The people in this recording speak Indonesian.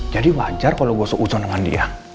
jadi wajar kalau gue seuzon dengan dia